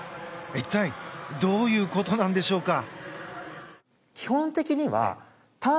一体どういうことなんでしょうか。